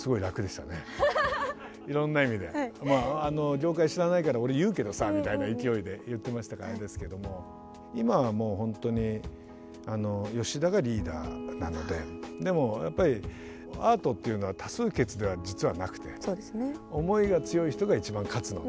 「業界知らないから俺言うけどさ」みたいな勢いで言ってましたからあれですけども今はもうほんとに吉田がリーダーなのででもやっぱりアートっていうのは多数決では実はなくて思いが強い人が一番勝つので。